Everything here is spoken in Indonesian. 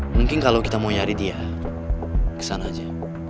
mungkin kalau kita mau nyari dia kesana aja